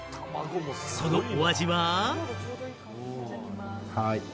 そのお味は。